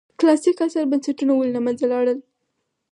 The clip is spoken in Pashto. کلاسیک عصر بنسټونه ولې له منځه لاړل.